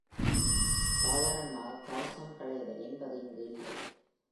சாதாரணமாகக் கவசம் களைதல் என்பது இங்கு இல்லை.